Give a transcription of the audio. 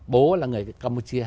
bố là người campuchia